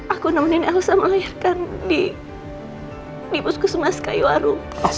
aku nemenin elsa melahirkan di pusku semas kayuwaru